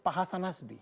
pak hasan nazmi